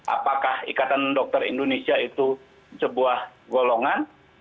apakah ikatan dokter indonesia itu sebuah golongan